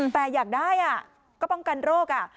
แต่อยากได้อ่ะก็ต้องกันโรคอ่ะ